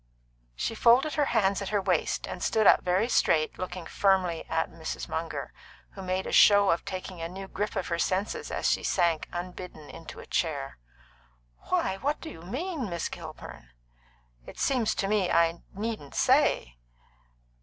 She folded her hands at her waist, and stood up very straight, looking firmly at Mrs. Munger, who made a show of taking a new grip of her senses as she sank unbidden into a chair. "Why, what do you mean, Miss Kilburn?" "It seems to me that I needn't say."